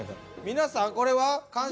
皆さんこれは完食？